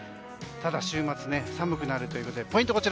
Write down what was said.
ただ週末、寒くなるということでポイント